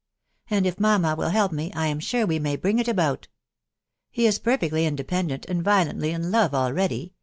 . And if mamma will help me, I am sure we may bring it about. He is per* fectly independent, and violently in love already